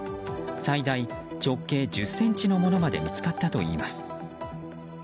最大、直径１０ｃｍのものまで見つかったといいます。